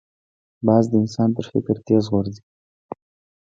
باز د انسان تر فکر تېز غورځي